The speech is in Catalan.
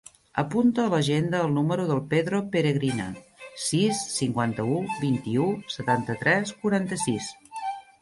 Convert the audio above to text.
Apunta a l'agenda el número del Pedro Peregrina: sis, cinquanta-u, vint-i-u, setanta-tres, quaranta-sis.